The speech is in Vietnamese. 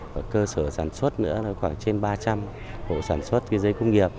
và cơ sở sản xuất nữa là khoảng trên ba trăm linh hộ sản xuất giấy công nghiệp